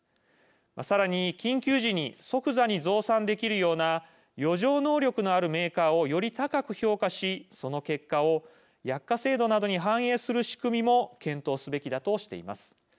さらに、緊急時に即座に増産できるような余剰能力のあるメーカーをより高く評価しその結果を、薬価制度などに反映する仕組みも検討すべきだとしています。